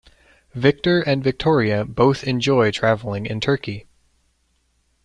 Victor and Victoria both enjoy traveling in Turkey.